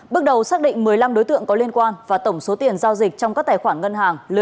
bước đầu xác định một mươi năm đối tượng có liên quan và tổng số tiền giao dịch trong các tài khoản ngân hàng